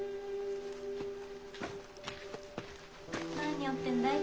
・何折ってんだい？